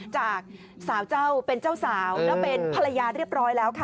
จากสาวเจ้าเป็นเจ้าสาวแล้วเป็นภรรยาเรียบร้อยแล้วค่ะ